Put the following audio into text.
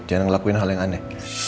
jarang ngelakuin hal yang aneh